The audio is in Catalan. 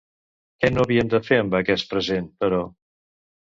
Què no havien de fer amb aquest present, però?